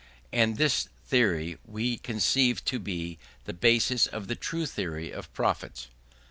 And this theory we conceive to be the basis of the true theory of profits.